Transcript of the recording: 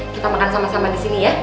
kita makan sama sama disini ya